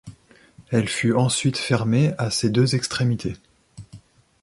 Elle fut ensuite fermée à ses deux extrémités.